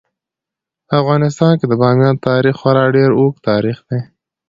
په افغانستان کې د بامیان تاریخ خورا ډیر اوږد تاریخ دی.